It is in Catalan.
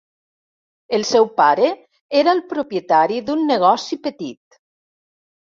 El seu pare era el propietari d'un negoci petit.